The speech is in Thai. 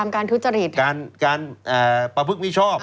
การปราบลายภึกมิชอบ